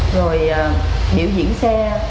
rồi biểu diễn xe